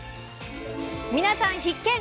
皆さん必見！